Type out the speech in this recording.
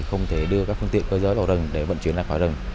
không thể đưa các phương tiện cơ giới vào rừng để vận chuyển ra khỏi rừng